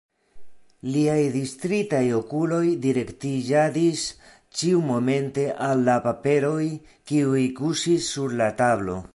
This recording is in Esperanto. Liaj distritaj okuloj direktiĝadis ĉiumomente al la paperoj, kiuj kuŝis sur la tablo.